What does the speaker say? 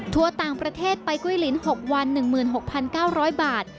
ต่างประเทศไปกุ้ยลิ้น๖วัน๑๖๙๐๐บาท